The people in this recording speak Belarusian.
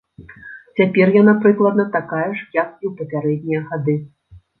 Цяпер яна прыкладна такая ж, як і ў папярэднія гады.